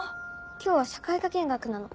今日は社会科見学なの。